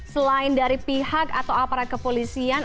selain dari pihak atau aparat kepolisian